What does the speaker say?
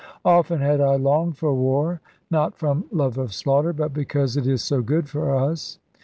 Often had I longed for war, not from love of slaughter, but because it is so good for us.